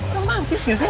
romantis gak sih